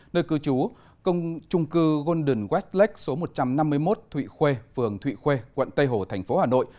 nơi cư trú trung cư golden westlak số một trăm năm mươi một thụy khuê phường thụy khuê quận tây hồ thành phố hà nội